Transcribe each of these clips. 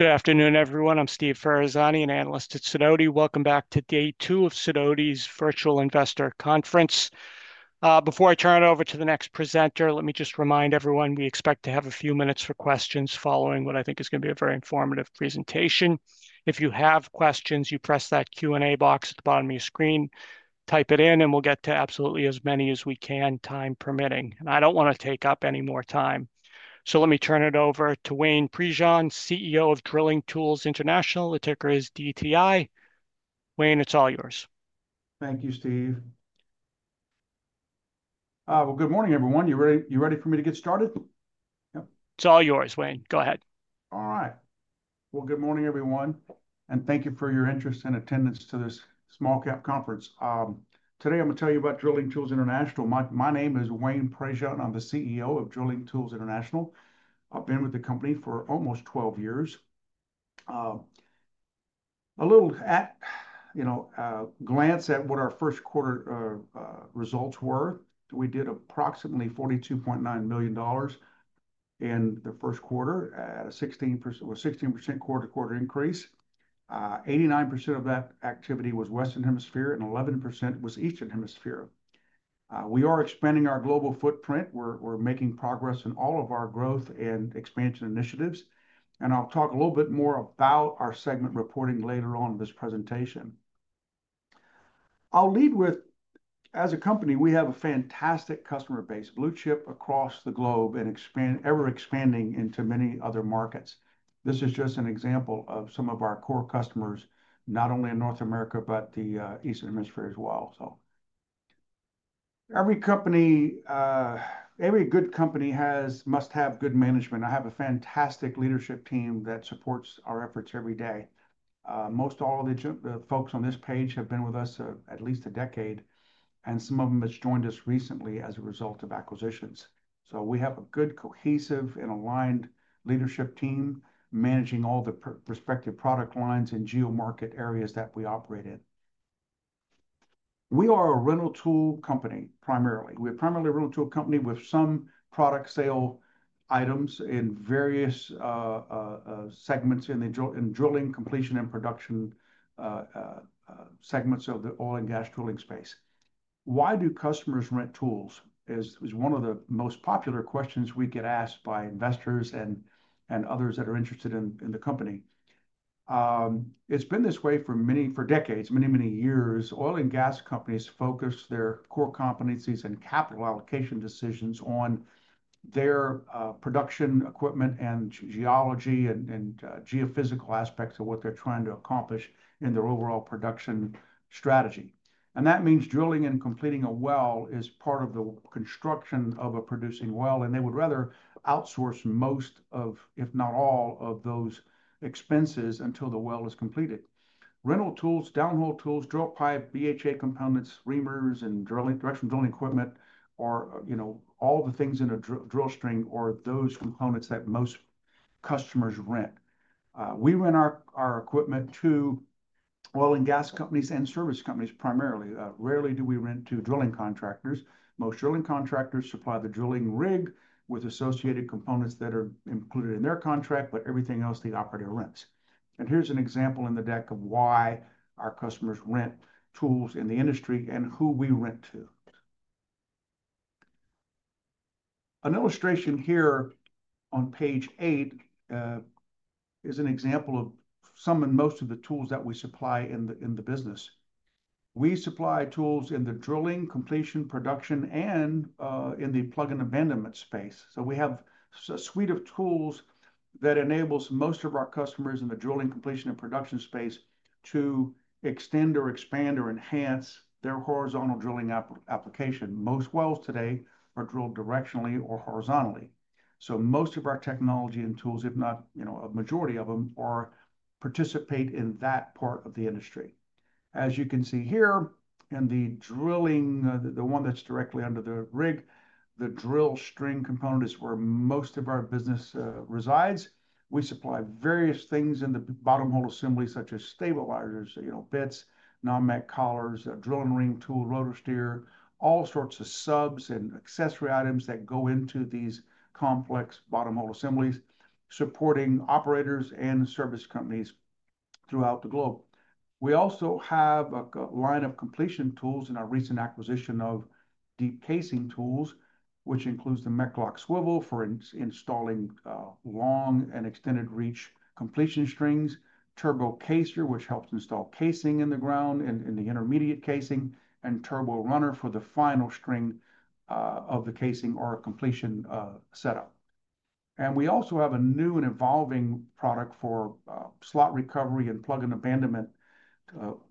Good afternoon, everyone. I'm Steve Ferazani, an Analyst at Sidoti. Welcome back to day two of Sidoti's Virtual Investor Conference. Before I turn it over to the next presenter, let me just remind everyone we expect to have a few minutes for questions following what I think is going to be a very informative presentation. If you have questions, you press that Q&A box at the bottom of your screen, type it in, and we'll get to absolutely as many as we can, time permitting. I don't want to take up any more time. Let me turn it over to Wayne Prejean, CEO of Drilling Tools International, the ticker is DTI. Wayne, it's all yours. Thank you, Steve. Good morning, everyone. You ready for me to get started? It's all yours, Wayne. Go ahead. All right. Good morning, everyone. Thank you for your interest and attendance to this small-cap conference. Today I'm going to tell you about Drilling Tools International. My name is Wayne Prejean. I'm the CEO of Drilling Tools International. I've been with the company for almost 12 years. A little glance at what our first quarter results were. We did approximately $42.9 million in the first quarter at a 16% quarter-to-quarter increase. 89% of that activity was Western Hemisphere, and 11% was Eastern Hemisphere. We are expanding our global footprint. We're making progress in all of our growth and expansion initiatives. I'll talk a little bit more about our segment reporting later on in this presentation. I'll lead with, as a company, we have a fantastic customer base, blue chip across the globe and ever expanding into many other markets. This is just an example of some of our core customers, not only in North America, but the Eastern Hemisphere as well. Every good company must have good management. I have a fantastic leadership team that supports our efforts every day. Most all of the folks on this page have been with us at least a decade, and some of them have joined us recently as a result of acquisitions. We have a good, cohesive, and aligned leadership team managing all the prospective product lines and geo-market areas that we operate in. We are a rental tool company primarily. We're primarily a rental tool company with some product sale items in various segments in the drilling, completion, and production segments of the oil and gas drilling space. Why do customers rent tools? It's one of the most popular questions we get asked by investors and others that are interested in the company. It's been this way for decades, many, many years. Oil and gas companies focus their core competencies and capital allocation decisions on their production, equipment, and geology and geophysical aspects of what they're trying to accomplish in their overall production strategy. That means drilling and completing a well is part of the construction of a producing well, and they would rather outsource most of, if not all, of those expenses until the well is completed. Rental tools, downhole tools, drill pipe, BHA components, reamers, and directional drilling equipment, or all the things in a drill string are those components that most customers rent. We rent our equipment to oil and gas companies and service companies primarily. Rarely do we rent to drilling contractors. Most drilling contractors supply the drilling rig with associated components that are included in their contract, but everything else the operator rents. Here's an example in the deck of why our customers rent tools in the industry and who we rent to. An illustration here on page eight is an example of some and most of the tools that we supply in the business. We supply tools in the drilling, completion, production, and in the plug and abandonment space. We have a suite of tools that enables most of our customers in the drilling, completion, and production space to extend or expand or enhance their horizontal drilling application. Most wells today are drilled directionally or horizontally. Most of our technology and tools, if not a majority of them, participate in that part of the industry. As you can see here in the drilling, the one that's directly under the rig, the drill string component is where most of our business resides. We supply various things in the bottom hole assembly, such as stabilizers, bits, non-magnetic collars, Drill-N-Ream tool, RotoSteer, all sorts of subs and accessory items that go into these complex bottom hole assemblies, supporting operators and service companies throughout the globe. We also have a line of completion tools in our recent acquisition of Deep Casing Tools, which includes the MechLOK Swivel for installing long and extended reach completion strings, TurboCaser, which helps install casing in the ground and in the intermediate casing, and Turbo Runner for the final string of the casing or completion setup. We also have a new and evolving product for slot recovery and plug and abandonment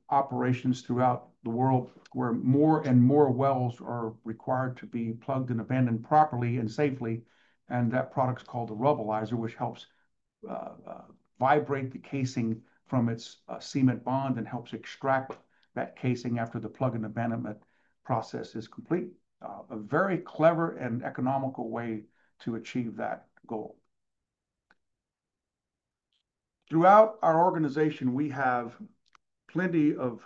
operations throughout the world, where more and more wells are required to be plugged and abandoned properly and safely. That product's called the Rubbilizer, which helps vibrate the casing from its cement bond and helps extract that casing after the plug and abandonment process is complete. A very clever and economical way to achieve that goal. Throughout our organization, we have plenty of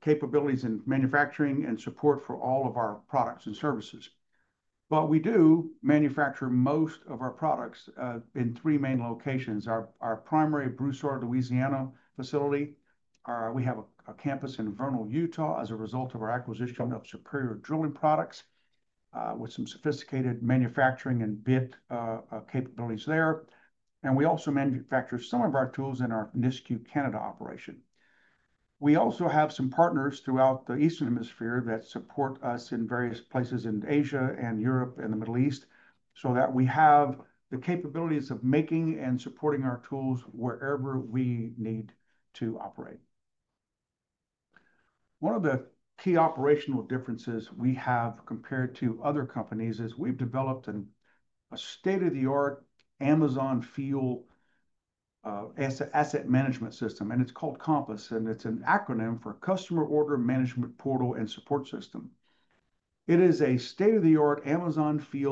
capabilities in manufacturing and support for all of our products and services. We do manufacture most of our products in three main locations: our primary Broussard, Louisiana facility. We have a campus in Vernal, Utah, as a result of our acquisition of Superior Drilling Products with some sophisticated manufacturing and bit capabilities there. We also manufacture some of our tools in our Nisku, Canada operation. We also have some partners throughout the Eastern Hemisphere that support us in various places in Asia and Europe and the Middle East so that we have the capabilities of making and supporting our tools wherever we need to operate. One of the key operational differences we have compared to other companies is we've developed a state-of-the-art asset management system. It is called Compass, and it is an acronym for Customer Order Management Portal and Support System. It is a state-of-the-art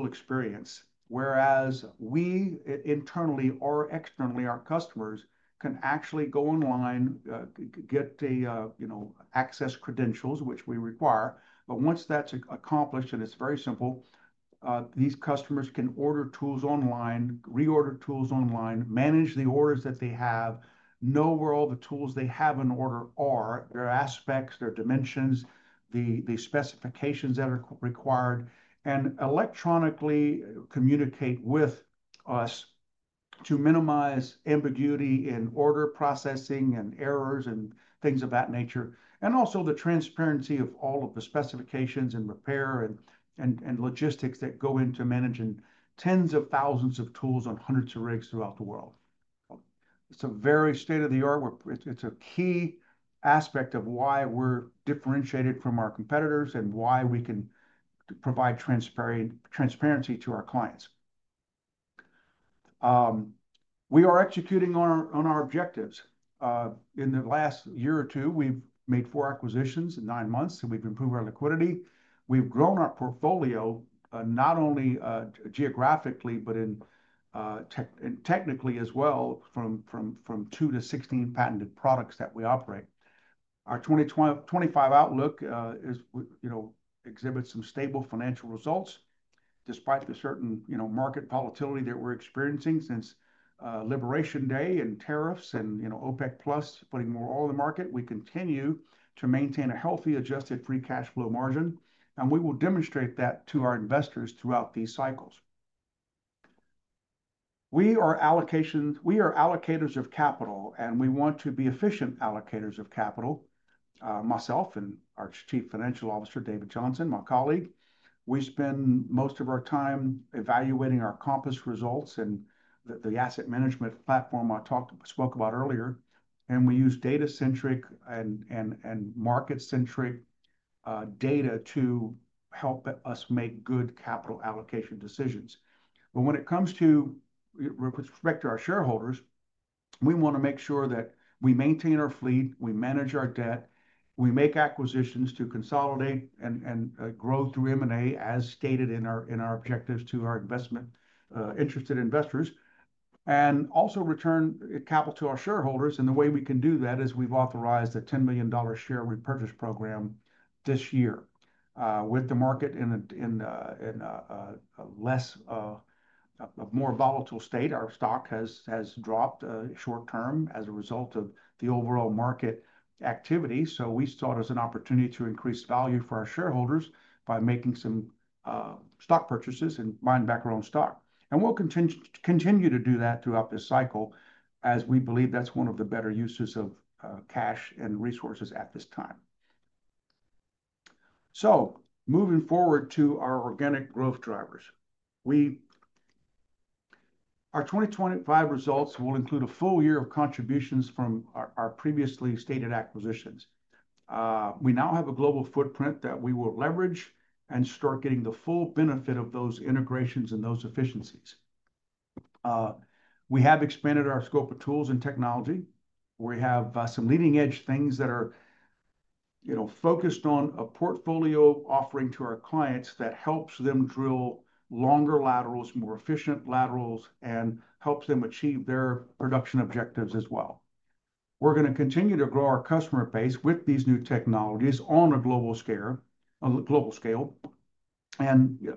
experience, whereas we internally or externally, our customers can actually go online, get the access credentials, which we require. Once that's accomplished, and it's very simple, these customers can order tools online, reorder tools online, manage the orders that they have, know where all the tools they have in order are, their aspects, their dimensions, the specifications that are required, and electronically communicate with us to minimize ambiguity in order processing and errors and things of that nature. Also, the transparency of all of the specifications and repair and logistics that go into managing tens of thousands of tools on hundreds of rigs throughout the world. It's very state-of-the-art. It's a key aspect of why we're differentiated from our competitors and why we can provide transparency to our clients. We are executing on our objectives. In the last year or two, we've made four acquisitions in nine months, and we've improved our liquidity. We've grown our portfolio not only geographically, but technically as well from 2 to 16 patented products that we operate. Our 2025 outlook exhibits some stable financial results despite the certain market volatility that we're experiencing since Liberation Day and tariffs and OPEC+ putting more oil in the market. We continue to maintain a healthy adjusted free cash flow margin, and we will demonstrate that to our investors throughout these cycles. We are allocators of capital, and we want to be efficient allocators of capital. Myself and our Chief Financial Officer, David Johnson, my colleague, we spend most of our time evaluating our Compass results and the asset management platform I spoke about earlier. We use data-centric and market-centric data to help us make good capital allocation decisions. When it comes to respect to our shareholders, we want to make sure that we maintain our fleet, we manage our debt, we make acquisitions to consolidate and grow through M&A, as stated in our objectives to our interested investors, and also return capital to our shareholders. The way we can do that is we've authorized a $10 million share repurchase program this year. With the market in a less of more volatile state, our stock has dropped short-term as a result of the overall market activity. We saw it as an opportunity to increase value for our shareholders by making some stock purchases and buying back our own stock. We'll continue to do that throughout this cycle as we believe that's one of the better uses of cash and resources at this time. Moving forward to our organic growth drivers. Our 2025 results will include a full year of contributions from our previously stated acquisitions. We now have a global footprint that we will leverage and start getting the full benefit of those integrations and those efficiencies. We have expanded our scope of tools and technology. We have some leading-edge things that are focused on a portfolio offering to our clients that helps them drill longer laterals, more efficient laterals, and helps them achieve their production objectives as well. We are going to continue to grow our customer base with these new technologies on a global scale.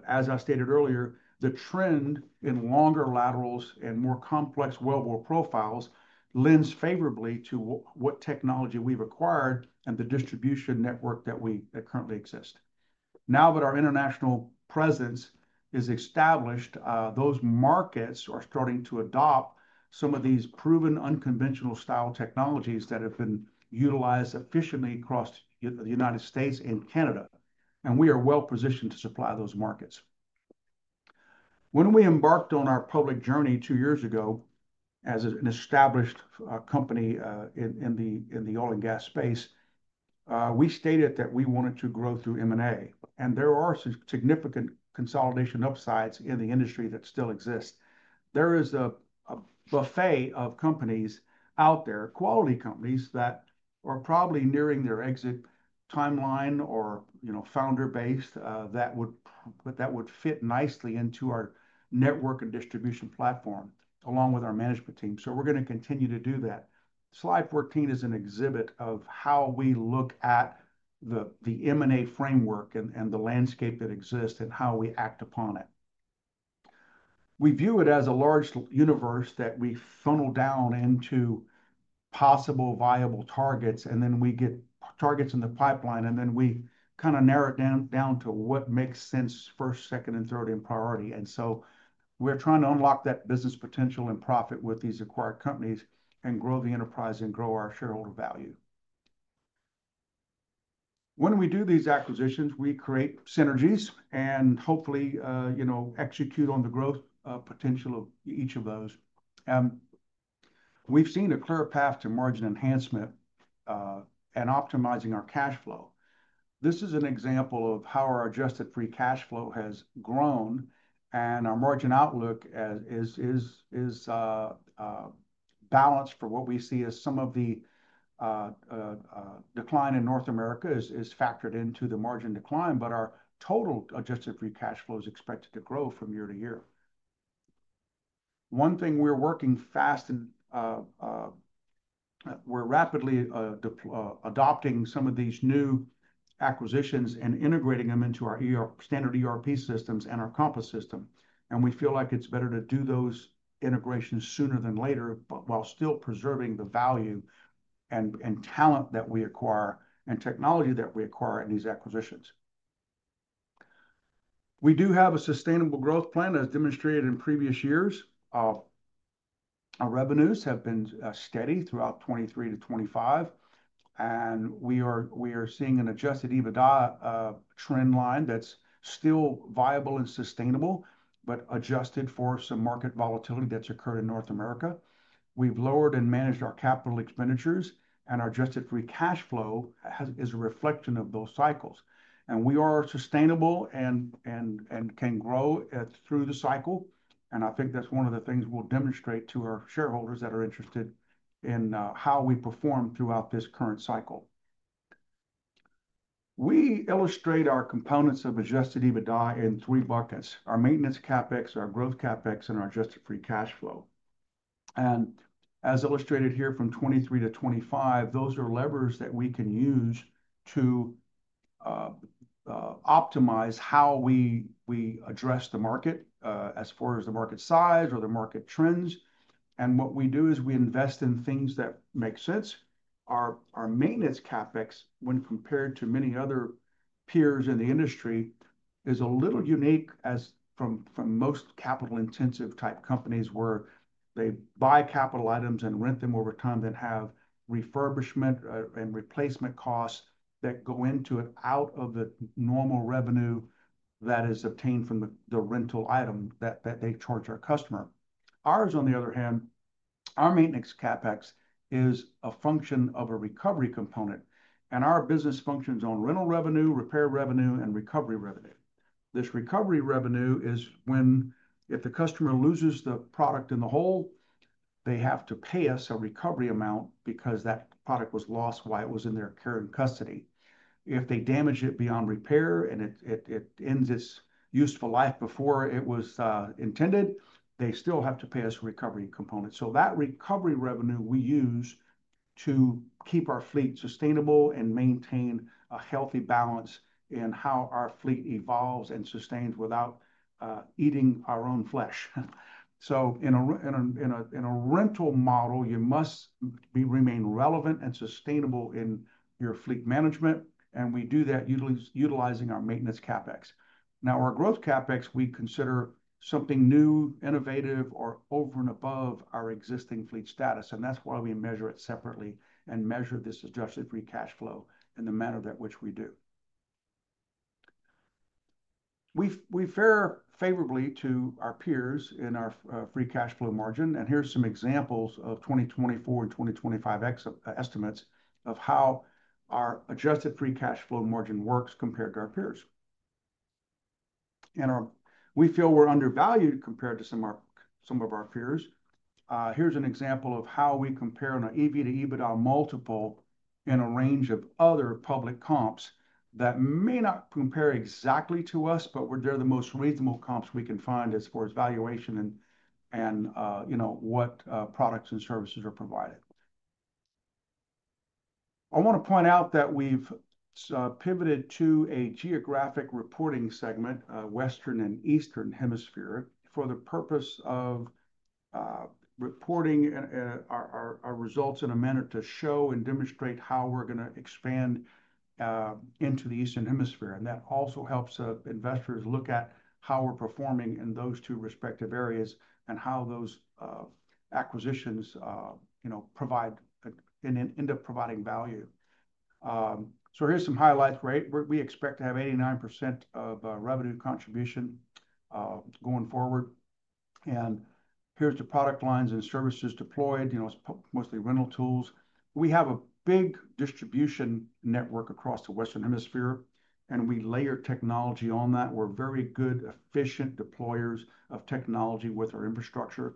As I stated earlier, the trend in longer laterals and more complex wellbore profiles lends favorably to what technology we have acquired and the distribution network that currently exists. Now that our international presence is established, those markets are starting to adopt some of these proven unconventional style technologies that have been utilized efficiently across the United States and Canada. We are well positioned to supply those markets. When we embarked on our public journey two years ago as an established company in the oil and gas space, we stated that we wanted to grow through M&A. There are significant consolidation upsides in the industry that still exist. There is a buffet of companies out there, quality companies that are probably nearing their exit timeline or founder base that would fit nicely into our network and distribution platform along with our management team. We are going to continue to do that. Slide 14 is an exhibit of how we look at the M&A framework and the landscape that exists and how we act upon it. We view it as a large universe that we funnel down into possible viable targets, and then we get targets in the pipeline, and then we kind of narrow it down to what makes sense first, second, and third in priority. We are trying to unlock that business potential and profit with these acquired companies and grow the enterprise and grow our shareholder value. When we do these acquisitions, we create synergies and hopefully execute on the growth potential of each of those. We have seen a clear path to margin enhancement and optimizing our cash flow. This is an example of how our adjusted free cash flow has grown, and our margin outlook is balanced for what we see as some of the decline in North America is factored into the margin decline, but our total adjusted free cash flow is expected to grow from year to year. One thing we're working fast, and we're rapidly adopting some of these new acquisitions and integrating them into our standard ERP systems and our Compass system. We feel like it's better to do those integrations sooner than later while still preserving the value and talent that we acquire and technology that we acquire in these acquisitions. We do have a sustainable growth plan as demonstrated in previous years. Our revenues have been steady throughout 2023 to 2025, and we are seeing an adjusted EBITDA trend line that's still viable and sustainable, adjusted for some market volatility that's occurred in North America. We've lowered and managed our capital expenditures, and our adjusted free cash flow is a reflection of those cycles. We are sustainable and can grow through the cycle. I think that's one of the things we'll demonstrate to our shareholders that are interested in how we perform throughout this current cycle. We illustrate our components of adjusted EBITDA in three buckets: our maintenance CapEx, our growth CapEx, and our adjusted free cash flow. As illustrated here from 2023 to 2025, those are levers that we can use to optimize how we address the market as far as the market size or the market trends. What we do is we invest in things that make sense. Our maintenance CapEx, when compared to many other peers in the industry, is a little unique from most capital-intensive type companies where they buy capital items and rent them over time, then have refurbishment and replacement costs that go into and out of the normal revenue that is obtained from the rental item that they charge our customer. Ours, on the other hand, our maintenance CapEx is a function of a recovery component. Our business functions on rental revenue, repair revenue, and recovery revenue. This recovery revenue is when if the customer loses the product in the hole, they have to pay us a recovery amount because that product was lost while it was in their care and custody. If they damage it beyond repair and it ends its useful life before it was intended, they still have to pay us a recovery component. That recovery revenue we use to keep our fleet sustainable and maintain a healthy balance in how our fleet evolves and sustains without eating our own flesh. In a rental model, you must remain relevant and sustainable in your fleet management, and we do that utilizing our maintenance CapEx. Now, our growth CapEx, we consider something new, innovative, or over and above our existing fleet status. That is why we measure it separately and measure this adjusted free cash flow in the manner that which we do. We fare favorably to our peers in our free cash flow margin. Here are some examples of 2024 and 2025 estimates of how our adjusted free cash flow margin works compared to our peers. We feel we are undervalued compared to some of our peers. Here is an example of how we compare an EV to EBITDA multiple in a range of other public comps that may not compare exactly to us, but they are the most reasonable comps we can find as far as valuation and what products and services are provided. I want to point out that we've pivoted to a geographic reporting segment, Western and Eastern Hemisphere, for the purpose of reporting our results in a manner to show and demonstrate how we're going to expand into the Eastern Hemisphere. That also helps investors look at how we're performing in those two respective areas and how those acquisitions provide and end up providing value. Here are some highlights. We expect to have 89% of revenue contribution going forward. Here are the product lines and services deployed. It's mostly rental tools. We have a big distribution network across the Western Hemisphere, and we layer technology on that. We're very good, efficient deployers of technology with our infrastructure.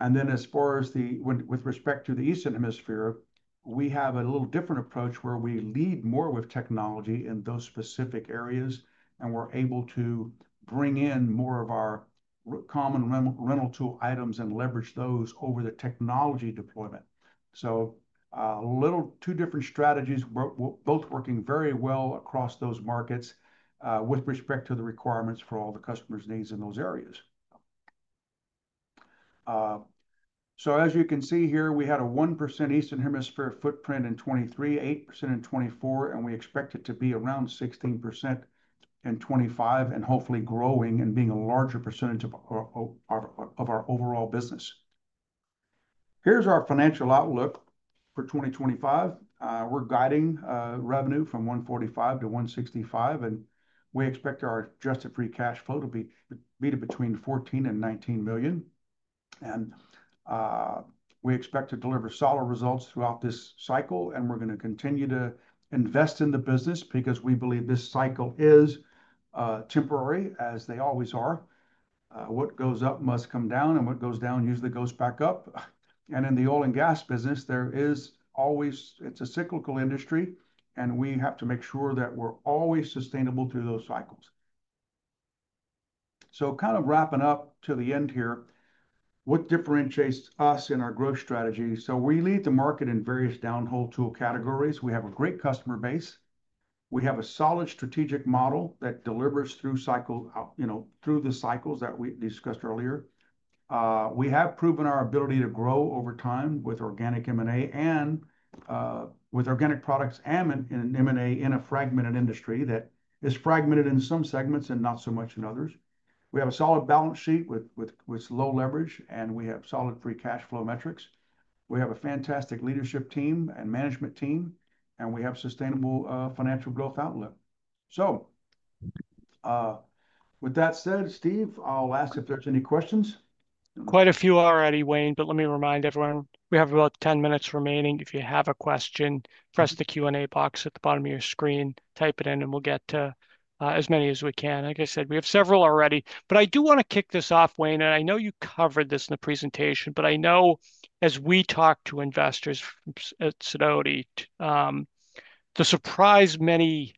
As far as with respect to the Eastern Hemisphere, we have a little different approach where we lead more with technology in those specific areas, and we're able to bring in more of our common rental tool items and leverage those over the technology deployment. Two different strategies, both working very well across those markets with respect to the requirements for all the customers' needs in those areas. As you can see here, we had a 1% Eastern Hemisphere footprint in 2023, 8% in 2024, and we expect it to be around 16% in 2025 and hopefully growing and being a larger percentage of our overall business. Here's our financial outlook for 2025. We're guiding revenue from $145 million-$165 million, and we expect our adjusted free cash flow to be between $14 million and $19 million. We expect to deliver solid results throughout this cycle, and we're going to continue to invest in the business because we believe this cycle is temporary, as they always are. What goes up must come down, and what goes down usually goes back up. In the oil and gas business, it is always a cyclical industry, and we have to make sure that we're always sustainable through those cycles. Kind of wrapping up to the end here, what differentiates us in our growth strategy? We lead the market in various downhole tool categories. We have a great customer base. We have a solid strategic model that delivers through the cycles that we discussed earlier. We have proven our ability to grow over time with organic M&A and with organic products and M&A in a fragmented industry that is fragmented in some segments and not so much in others. We have a solid balance sheet with low leverage, and we have solid free cash flow metrics. We have a fantastic leadership team and management team, and we have sustainable financial growth outlook. With that said, Steve, I'll ask if there's any questions. Quite a few already, Wayne, but let me remind everyone. We have about 10 minutes remaining. If you have a question, press the Q&A box at the bottom of your screen, type it in, and we'll get to as many as we can. Like I said, we have several already. I do want to kick this off, Wayne, and I know you covered this in the presentation, but I know as we talk to investors at Sidoti, the surprise we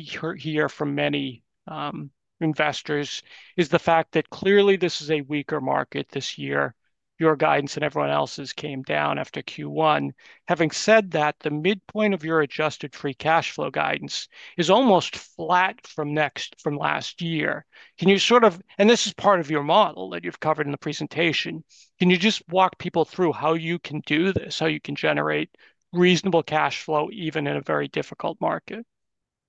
hear from many investors is the fact that clearly this is a weaker market this year. Your guidance and everyone else's came down after Q1. Having said that, the midpoint of your adjusted free cash flow guidance is almost flat from last year. Can you sort of, and this is part of your model that you've covered in the presentation, can you just walk people through how you can do this, how you can generate reasonable cash flow even in a very difficult market?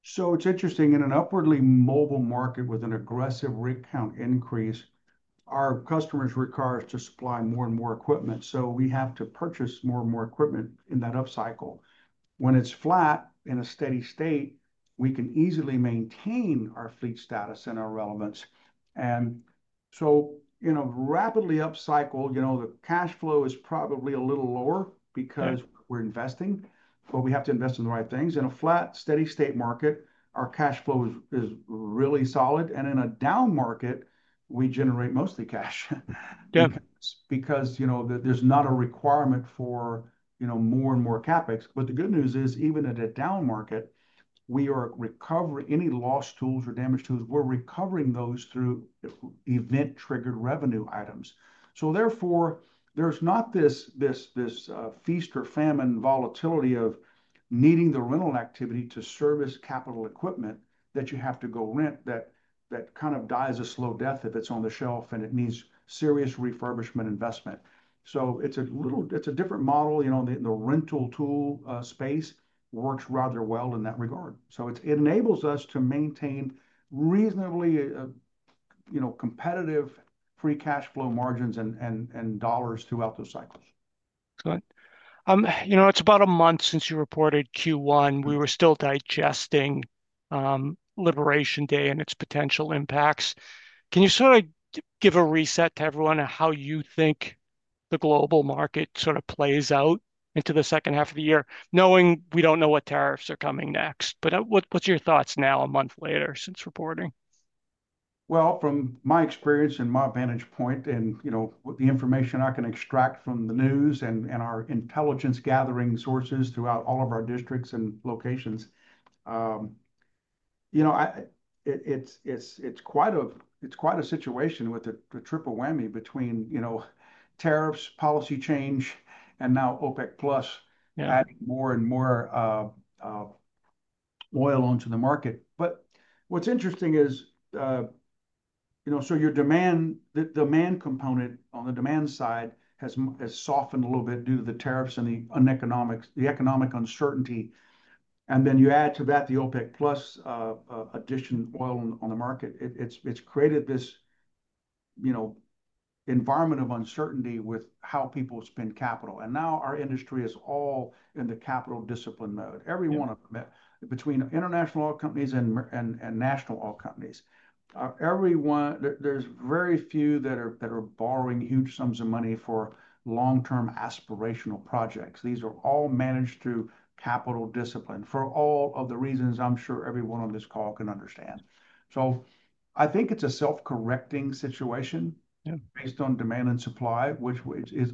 It's interesting. In an upwardly mobile market with an aggressive rate count increase, our customers require us to supply more and more equipment. We have to purchase more and more equipment in that upcycle. When it's flat in a steady state, we can easily maintain our fleet status and our relevance. In a rapidly upcycled market, the cash flow is probably a little lower because we're investing, but we have to invest in the right things. In a flat, steady state market, our cash flow is really solid. In a down market, we generate mostly cash because there's not a requirement for more and more CapEx. The good news is, even in a down market, we are recovering any lost tools or damaged tools. We're recovering those through event-triggered revenue items. Therefore, there's not this feast or famine volatility of needing the rental activity to service capital equipment that you have to go rent that kind of dies a slow death if it's on the shelf and it needs serious refurbishment investment. It's a different model. The rental tool space works rather well in that regard. It enables us to maintain reasonably competitive free cash flow margins and dollars throughout those cycles. Good. It's about a month since you reported Q1. We were still digesting Liberation Day and its potential impacts. Can you sort of give a reset to everyone on how you think the global market sort of plays out into the second half of the year, knowing we don't know what tariffs are coming next? What's your thoughts now a month later since reporting? From my experience and my vantage point and the information I can extract from the news and our intelligence gathering sources throughout all of our districts and locations, it's quite a situation with the triple whammy between tariffs, policy change, and now OPEC+ adding more and more oil onto the market. What's interesting is, your demand component on the demand side has softened a little bit due to the tariffs and the economic uncertainty. You add to that the OPEC+ addition oil on the market. It's created this environment of uncertainty with how people spend capital. Now our industry is all in the capital discipline mode, every one of them, between international oil companies and national oil companies. There are very few that are borrowing huge sums of money for long-term aspirational projects. These are all managed through capital discipline for all of the reasons I'm sure everyone on this call can understand. I think it's a self-correcting situation based on demand and supply, which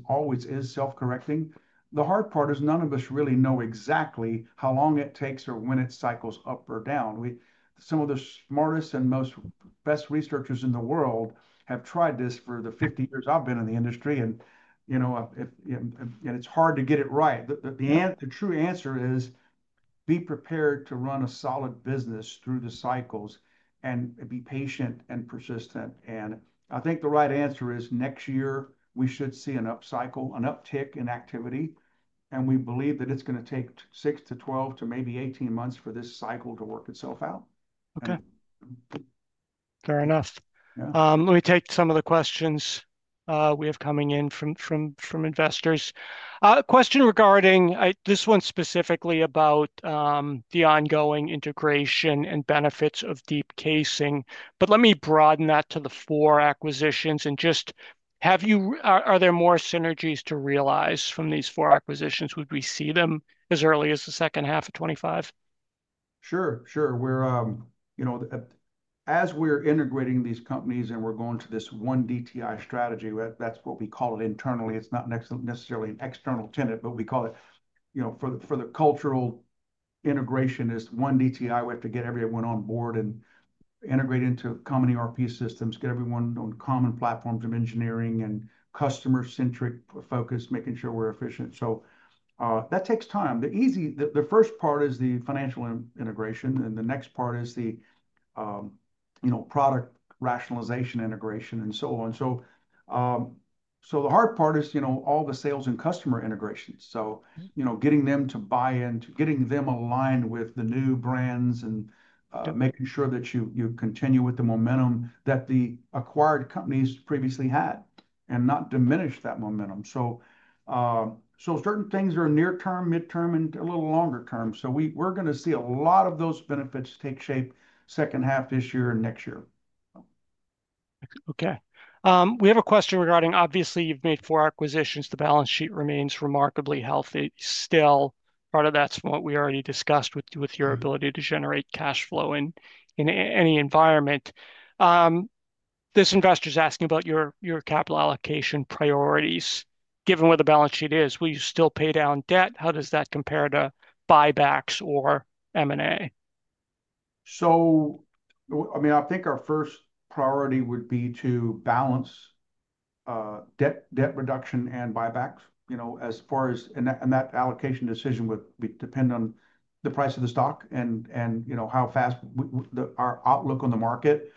always is self-correcting. The hard part is none of us really know exactly how long it takes or when it cycles up or down. Some of the smartest and most best researchers in the world have tried this for the 50 years I've been in the industry. It's hard to get it right. The true answer is be prepared to run a solid business through the cycles and be patient and persistent. I think the right answer is next year, we should see an upcycle, an uptick in activity. We believe that it's going to take 6-12 to maybe 18 months for this cycle to work itself out. Fair enough. Let me take some of the questions we have coming in from investors. A question regarding this one specifically about the ongoing integration and benefits of Deep Casing. Let me broaden that to the four acquisitions and just have you, are there more synergies to realize from these four acquisitions? Would we see them as early as the second half of 2025? Sure. As we're integrating these companies and we're going to this one DTI strategy, that's what we call it internally. It's not necessarily an external tenet, but we call it for the cultural integration is one DTI. We have to get everyone on board and integrate into common ERP systems, get everyone on common platforms of engineering and customer-centric focus, making sure we're efficient. That takes time. The first part is the financial integration, and the next part is the product rationalization integration and so on. The hard part is all the sales and customer integrations. Getting them to buy in, getting them aligned with the new brands, and making sure that you continue with the momentum that the acquired companies previously had and not diminish that momentum. Certain things are near-term, mid-term, and a little longer term. We're going to see a lot of those benefits take shape second half this year and next year. Okay. We have a question regarding, obviously, you've made four acquisitions. The balance sheet remains remarkably healthy still. Part of that's what we already discussed with your ability to generate cash flow in any environment. This investor's asking about your capital allocation priorities. Given where the balance sheet is, will you still pay down debt? How does that compare to buybacks or M&A? I mean, I think our first priority would be to balance debt reduction and buybacks as far as, and that allocation decision would depend on the price of the stock and how fast our outlook on the market.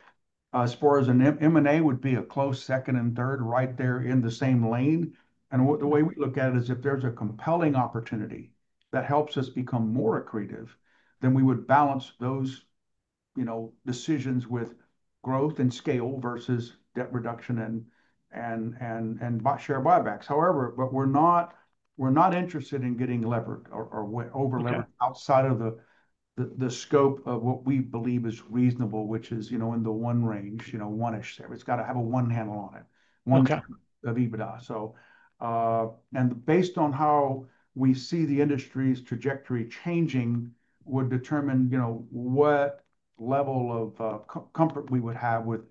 As far as M&A would be a close second and third right there in the same lane. The way we look at it is if there is a compelling opportunity that helps us become more accretive, then we would balance those decisions with growth and scale versus debt reduction and share buybacks. However, we are not interested in getting levered or over-levered outside of the scope of what we believe is reasonable, which is in the one range, one-ish. It has got to have a one handle on it, one handle of EBITDA. Based on how we see the industry's trajectory changing would determine what level of comfort we would have with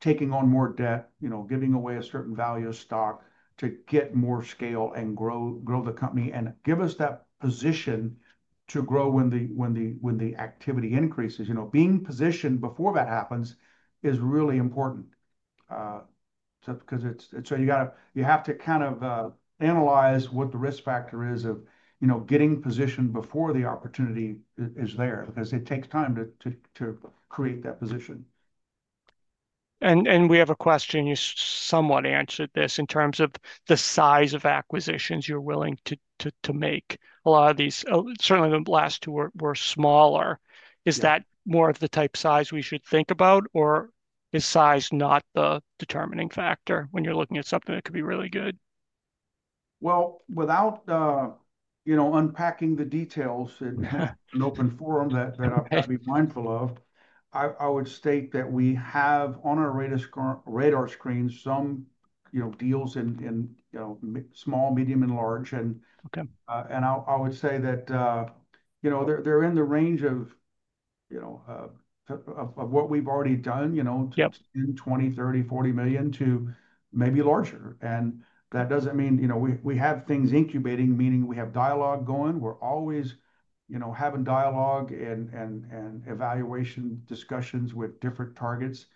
taking on more debt, giving away a certain value of stock to get more scale and grow the company and give us that position to grow when the activity increases. Being positioned before that happens is really important because you have to kind of analyze what the risk factor is of getting positioned before the opportunity is there because it takes time to create that position. We have a question. You somewhat answered this in terms of the size of acquisitions you're willing to make. A lot of these, certainly the last two, were smaller. Is that more of the type size we should think about, or is size not the determining factor when you're looking at something that could be really good? Without unpacking the details in an open forum that I'll be mindful of, I would state that we have on our radar screen some deals in small, medium, and large. I would say that they're in the range of what we've already done, $20 million, $30 million, $40 million to maybe larger. That doesn't mean we have things incubating, meaning we have dialogue going. We're always having dialogue and evaluation discussions with different targets.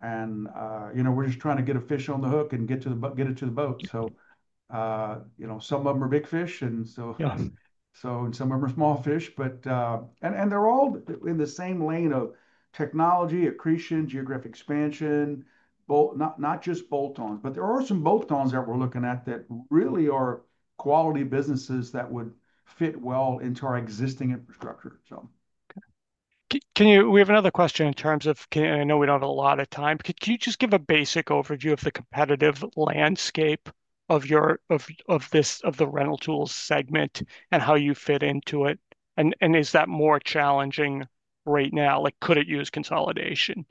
We're just trying to get a fish on the hook and get it to the boat. Some of them are big fish, and some of them are small fish. They're all in the same lane of technology, accretion, geographic expansion, not just bolt-ons, but there are some bolt-ons that we're looking at that really are quality businesses that would fit well into our existing infrastructure. We have another question in terms of, and I know we do not have a lot of time. Can you just give a basic overview of the competitive landscape of the rental tools segment and how you fit into it? Is that more challenging right now? Could it use consolidation?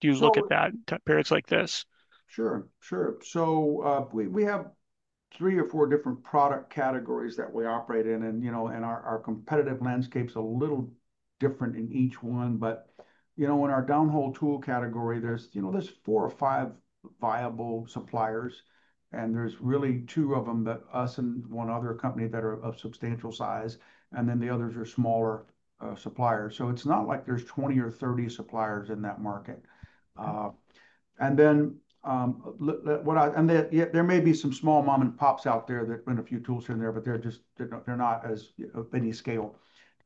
Do you look at that in periods like this? Sure. Sure. We have three or four different product categories that we operate in, and our competitive landscape is a little different in each one. In our downhole tool category, there are four or five viable suppliers, and there are really two of them, us and one other company, that are of substantial size. The others are smaller suppliers. It is not like there are 20 or 30 suppliers in that market. There may be some small mom-and-pops out there that run a few tools in there, but they're not as of any scale.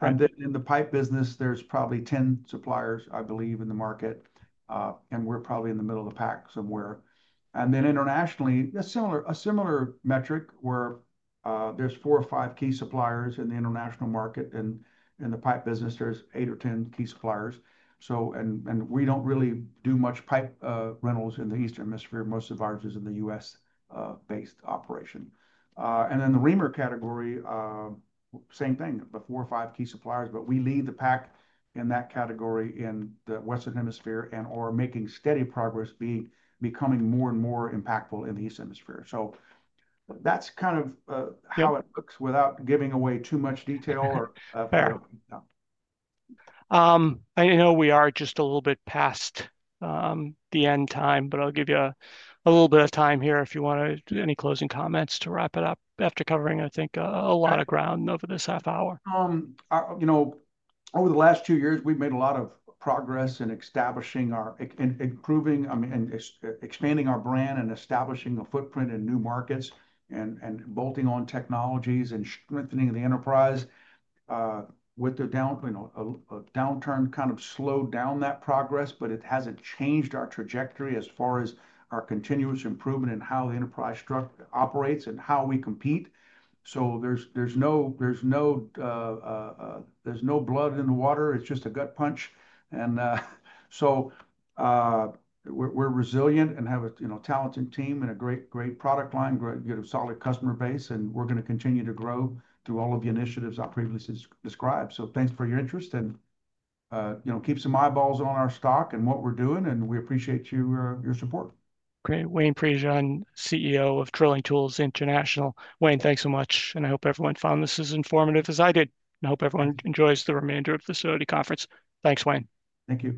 In the pipe business, there's probably 10 suppliers, I believe, in the market. We're probably in the middle of the pack somewhere. Internationally, a similar metric where there's four or five key suppliers in the international market. In the pipe business, there's 8 or 10 key suppliers. We do not really do much pipe rentals in the U.S.-based operation. Most of ours is in the U.S.-based operation. In the reamer category, same thing, the four or five key suppliers. We lead the pack in that category in the Western Hemisphere and are making steady progress, becoming more and more impactful in the Eastern Hemisphere. That's kind of how it looks without giving away too much detail. I know we are just a little bit past the end time, but I'll give you a little bit of time here if you want to do any closing comments to wrap it up after covering, I think, a lot of ground over this half hour. Over the last two years, we've made a lot of progress in establishing our improving, expanding our brand, and establishing a footprint in new markets and bolting on technologies and strengthening the enterprise with the downturn kind of slowed down that progress, but it hasn't changed our trajectory as far as our continuous improvement and how the enterprise operates and how we compete. There is no blood in the water. It's just a gut punch. We are resilient and have a talented team and a great product line, a solid customer base. We're going to continue to grow through all of the initiatives I previously described. Thanks for your interest and keep some eyeballs on our stock and what we're doing. We appreciate your support. Great. Wayne Prejean, CEO of Drilling Tools International. Wayne, thanks so much. I hope everyone found this as informative as I did. I hope everyone enjoys the remainder of the facility conference. Thanks, Wayne. Thank you.